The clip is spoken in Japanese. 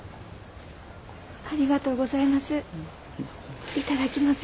ありがとうございます。